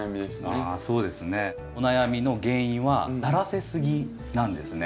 あそうですね。お悩みの原因はならせすぎなんですね。